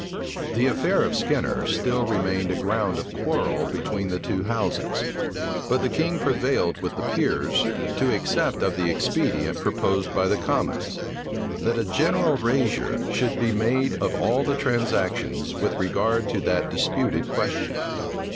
The affair of Skinner still remained a ground of quarrel between the two houses; but the king prevailed with the peers to accept of the expedient proposed by the commons, that a general razure should be made of all the transactions with regard to that disputed question.